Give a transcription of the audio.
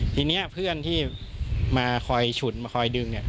ทีนี้เพื่อนที่มาคอยฉุนมาคอยดึง